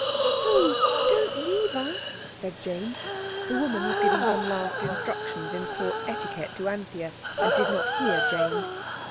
"Oh! don't leave us," said Jane. The woman was giving some last instructions in Court etiquette to Anthea, and did not hear Jane.